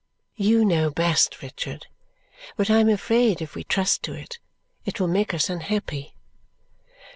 "You know best, Richard. But I am afraid if we trust to it, it will make us unhappy."